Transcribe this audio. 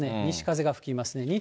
西風が吹きますね。